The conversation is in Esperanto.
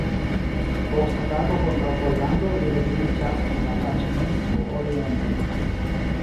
Post atako kontraŭ Pollando li retiriĝas kun la taĉmento orienten.